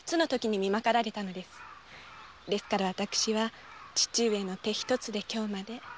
ですから私は父上の手で今日まで。